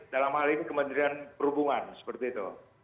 dalam hal ini kementerian perhubungan seperti itu